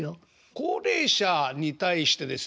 高齢者に対してですね